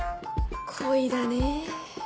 恋だねぇ。